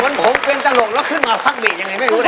มันมีเป็นตลกแล้วขึ้นมาคว่ากลียียังไม่รู้เหรอ